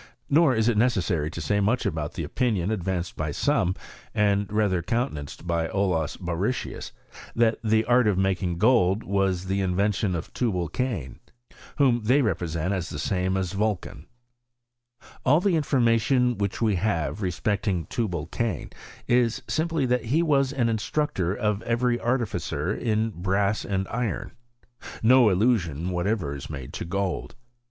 Nor is it necessary to say much about the opinion advanced by aomei and ra&er countenanced by Olaui OF ALCHYMT. 9 BorrichhiKy that the art of making gold was the inven tion of Tubal cainj whom they represent as the same as VulcanT An the information which we have respecting Tubal cain, is simply that he was an instructor of every artificer in brass and iron.^ No allusion what ever is made to gold.